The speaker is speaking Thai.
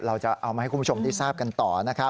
เราจะเอามาให้คุณผู้ชมได้ทราบกันต่อนะครับ